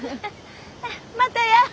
またやー！